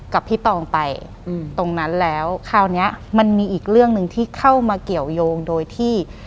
กับพี่ตองไปตรงนั้นแล้วคราวนี้มันมีอีกเรื่องหนึ่งที่เข้ามาเกี่ยวยงโดยที่